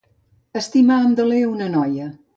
Estimar amb deler una noia.